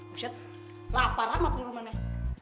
buset lapar amat lu rumahnya